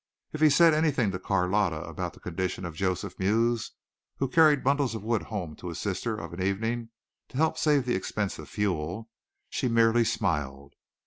If he said anything to Carlotta about the condition of Joseph Mews, who carried bundles of wood home to his sister of an evening to help save the expense of fuel, she merely smiled.